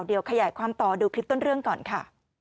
เดี๋ยวขยายความต่อดูคลิปต้นเรื่องก่อนค่ะ